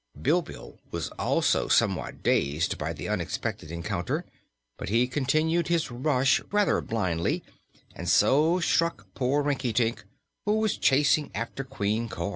Bilbil was also somewhat dazed by the unexpected encounter, but he continued his rush rather blindly and so struck poor Rinkitink, who was chasing after Queen Cor.